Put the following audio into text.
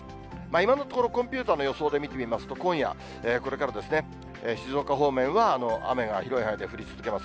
今のところ、コンピューターの予想で見てみますと、今夜、これから、静岡方面は雨が広い範囲で降り続けます。